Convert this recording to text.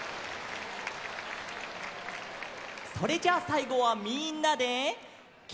それじゃあさいごはみんなで「きんらきら」。